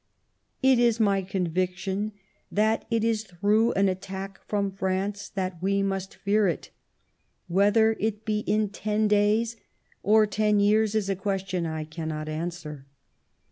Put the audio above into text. It is my conviction that it is through an attack from France that we must fear it ; v/hether it be in ten days or ten years is a question I cannot answer."